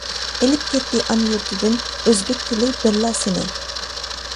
ئېلىپ كەتتى ئانا يۇرتىدىن، ئۆزبېك تىلى بىرلا سېنى.